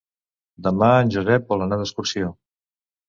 Demà en Josep vol anar d'excursió.